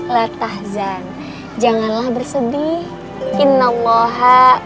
letahzan janganlah bersedih